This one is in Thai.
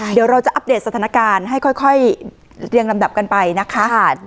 เดี๋ยวเราจะอัปเดตสถานการณ์ให้ค่อยเรียงลำดับกันไปนะคะ